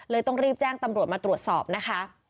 ต้องรีบแจ้งตำรวจมาตรวจสอบนะคะ